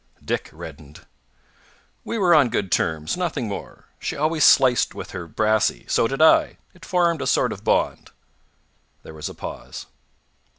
Dick reddened. "We were on good terms. Nothing more. She always sliced with her brassy. So did I. It formed a sort of bond." There was a pause.